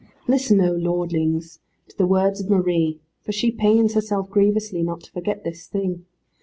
Listen, oh lordlings, to the words of Marie, for she pains herself grievously not to forget this thing.